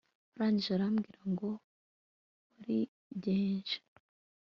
arangije arambwira ngo warigenje